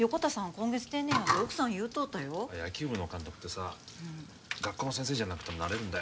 今月定年やって奥さん言うとったよ野球部の監督ってさ学校の先生じゃなくてもなれるんだよ